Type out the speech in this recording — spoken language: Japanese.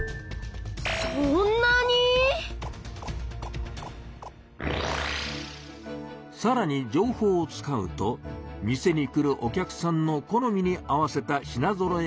そんなに⁉さらに情報を使うと店に来るお客さんの好みに合わせた品ぞろえができます。